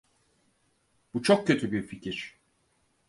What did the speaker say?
Bu çok kötü bir fikir.